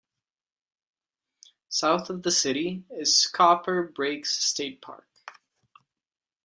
South of the city is Copper Breaks State Park.